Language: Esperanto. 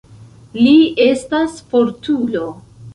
Li estas fortulo.